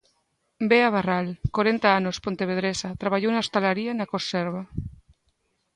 Bea Barral, corenta anos, pontevedresa, traballou na hostalaría e na conserva.